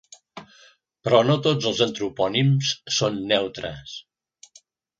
Però no tots els antropònims són neutres.